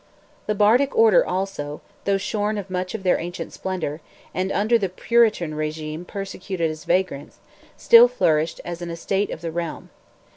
The bardic order also, though shorn of much of their ancient splendour, and under the Puritan regime persecuted as vagrants, still flourished as an estate of the realm.